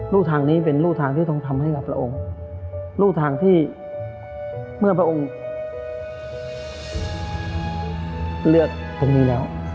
รูปทางนี้เป็นรูทางที่ต้องทำให้รับพระองค์รูปทางที่เมื่อพระองค์เลือกองค์นี้แล้ว